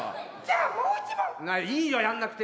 ああいいよやんなくて。